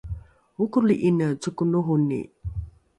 okoli’ine cokonoroni